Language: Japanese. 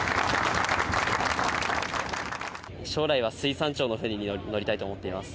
将来は水産庁の船に乗りたいと思っています。